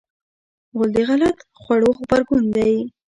غول د غلط خوړو غبرګون دی.